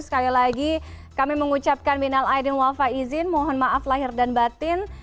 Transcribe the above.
sekali lagi kami mengucapkan minal aidin wafa izin mohon maaf lahir dan batin